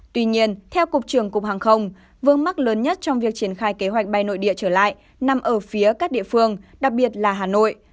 tuy nhiên theo cục trưởng cục hàng không vương mắc lớn nhất trong việc triển khai kế hoạch bay nội địa trở lại nằm ở phía các địa phương đặc biệt là hà nội